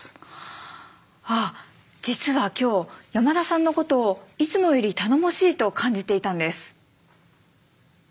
あっ実は今日山田さんのことをいつもより頼もしいと感じていたんです。